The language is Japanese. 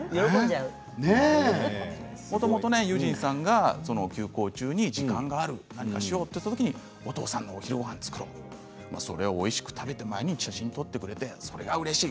もともと結尋さんが休校中に時間がある、何かしようというときにお父さんの昼ごはんを作ろうそれをおいしく食べて毎日写真を撮ってくれてそれはうれしい。